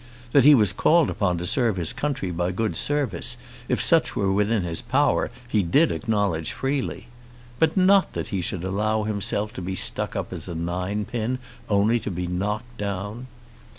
That he was called upon to serve his country by good service, if such were within his power, he did acknowledge freely; but not that he should allow himself to be stuck up as a ninepin only to be knocked down!